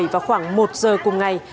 vào khoảng một giờ cùng ngày